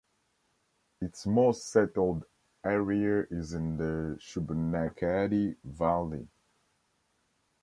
Its most settled area is in the Shubenacadie Valley.